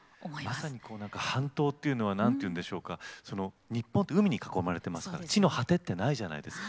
まさに半島っていうのは日本って海に囲まれてますから地の果てってないじゃないですか。